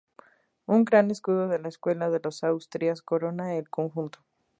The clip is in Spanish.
Un gran escudo de la casa de los Austrias corona el conjunto.